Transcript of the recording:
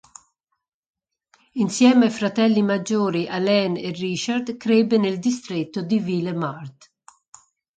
Insieme ai fratelli maggiori Alain e Richard crebbe nel distretto di Ville-Émard.